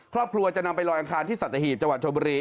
ครอบครัวจะนำไปลอยอังคารที่สัตหีบจังหวัดชมบุรี